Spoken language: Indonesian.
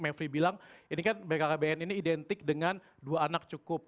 mevri bilang ini kan bkkbn ini identik dengan dua anak cukup